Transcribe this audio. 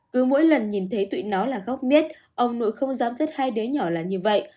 cứ mỗi lần nhìn thấy tụi nó là góc mết ông nội không dám hai đứa nhỏ là như vậy